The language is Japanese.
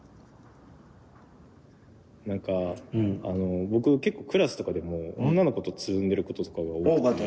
なんか僕結構クラスとかでも女の子とつるんでることとかが多くて。